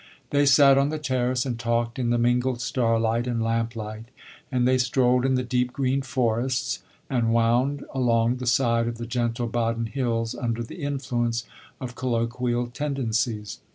They sat on the terrace and talked in the mingled starlight and lamplight, and they strolled in the deep green forests and wound along the side of the gentle Baden hills, under the influence of colloquial tendencies.